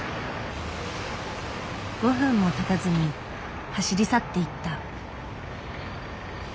５分もたたずに走り去っていった。